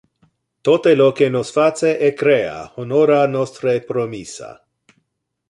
Tote lo que nos face e crea honora nostre promissa.